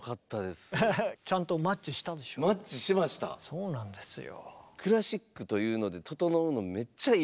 そうなんですよ。